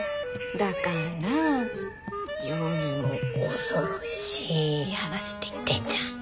だから世にも恐ろしい話って言ってんじゃん。